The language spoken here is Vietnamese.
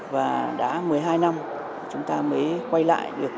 và đã một mươi hai năm chúng ta mới quay lại được